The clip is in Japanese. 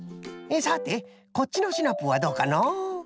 さてこっちのシナプーはどうかのう？